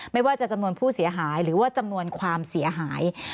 ไม่ว่าจะจำนวนผู้เสียหายหรือว่าจำนวนความเสียหาย